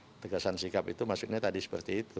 ketegasan sikap itu maksudnya tadi seperti itu